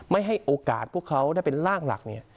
ไม่ให้โอกาสพวกเขาได้เป็นร่างหลักเนี่ย